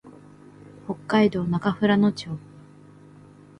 北海道中富良野町